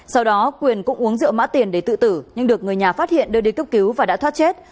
sau đó quyền cũng uống rượu mã tiền để tự tử nhưng được người nhà phát hiện đưa đi cấp cứu và đã thoát chết